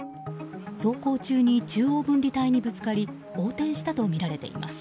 走行中に中央分離帯にぶつかり横転したとみられています。